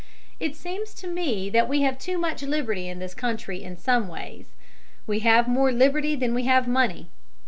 It seems to me that we have too much liberty in this country in some ways. We have more liberty than we have money.